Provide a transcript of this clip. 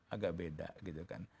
agak beda gitu kan